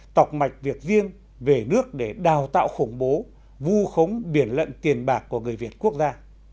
tọc mạch việc riêng về nước để đào tạo khủng bố vu khống biển lận tiền bạc của người việt quốc gia